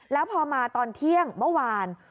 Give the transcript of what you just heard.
แล้วพอมาตอนเที่ยงเมื่อวาน